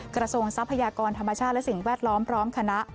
ทรัพยากรธรรมชาติและสิ่งแวดล้อมพร้อมคณะ